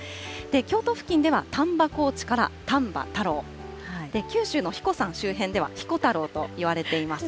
京都付近では丹波高地から丹波太郎、九州のひこ山周辺では、比古太郎といわれています。